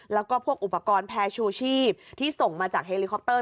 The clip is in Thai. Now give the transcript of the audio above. แล้วก็พวกอุปกรณ์แพรชูชีพที่ส่งมาจากเฮลิคอปเตอร์